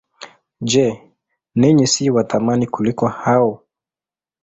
Je, ninyi si wa thamani kuliko hao?